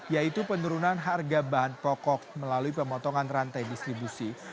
yaitu penurunan harga bahan pokok melalui pemotongan rantai distribusi